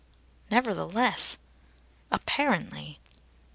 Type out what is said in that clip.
"Nevertheless!" ... "Apparently!"